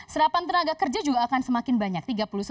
serapan tenaga kerja juga akan semakin banyak